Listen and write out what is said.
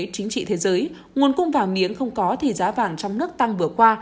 chính trị thế giới nguồn cung vàng miếng không có thì giá vàng trong nước tăng vừa qua